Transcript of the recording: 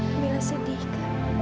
kamilah sedih kak